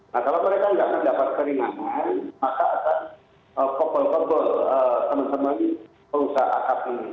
nah kalau mereka nggak akan dapat peringatan maka akan pebol pebol teman teman pengusaha asap ini